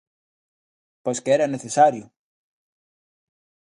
Pois que era necesario.